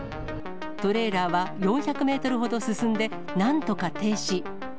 トレーラーは４００メートルほど進んで、なんとか停止。